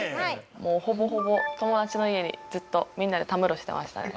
もうほぼほぼ友達の家にずっとみんなでたむろしてましたね。